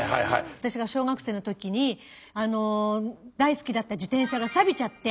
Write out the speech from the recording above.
私が小学生の時に大好きだった自転車がサビちゃって。